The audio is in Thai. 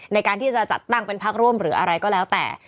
ในการที่จะจัดตั้งเป็นพักร่วมหรืออะไรก็แล้วแต่